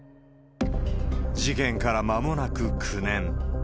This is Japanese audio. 事件からまもなく９年。